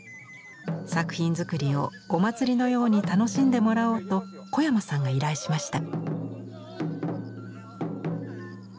作品作りをお祭りのように楽しんでもらおうと小山さんが依頼しました。